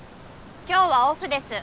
今日はオフです。